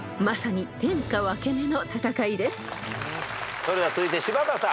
それでは続いて柴田さん。